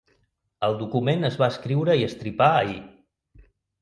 El document es va escriure i estripar ahir.